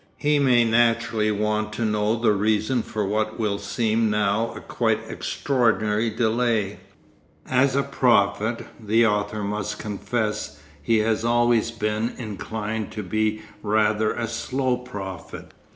He may naturally want to know the reason for what will seem now a quite extraordinary delay. As a prophet, the author must confess he has always been inclined to be rather a slow prophet.